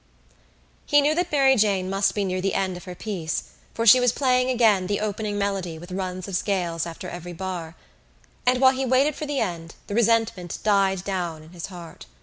He knew that Mary Jane must be near the end of her piece for she was playing again the opening melody with runs of scales after every bar and while he waited for the end the resentment died down in his heart.